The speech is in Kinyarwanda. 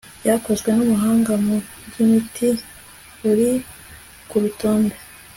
ryakozwe n umuhanga mu by imiti uri ku rutonde